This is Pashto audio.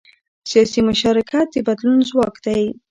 سیاسي مشارکت د بدلون ځواک دی